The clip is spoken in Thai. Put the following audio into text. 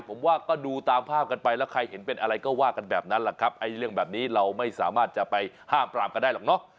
ผมว่าก็ดูตามภาพกันไปแล้วใครเห็นเป็นอะไรก็ว่ากันแบบนั้นแหละครับไอ้เรื่องแบบนี้เราไม่สามารถจะไปห้ามปรามกันได้หรอกเนอะ